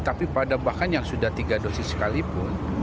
tapi pada bahkan yang sudah tiga dosis sekalipun